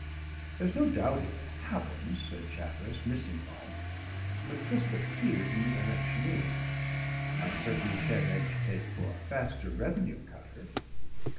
"There's no doubt it happens," said Chatteris, missing it all. "But it doesn't appear in the electioneering. I certainly sha'n't agitate for a faster revenue cutter.